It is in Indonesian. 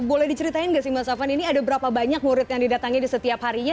boleh diceritain nggak sih mas afan ini ada berapa banyak murid yang didatangi di setiap harinya